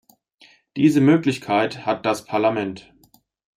Diese Möglichkeit hat das Parlament.